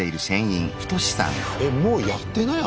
もうやってない？